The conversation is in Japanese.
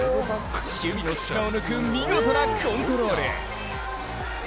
守備の隙間を抜く見事なコントロール。